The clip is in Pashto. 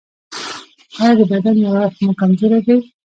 ایا د بدن یو اړخ مو کمزوری دی؟